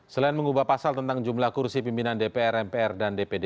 selain mengubah pasal tentang jumlah kursi pimpinan dpr mpr dan dpd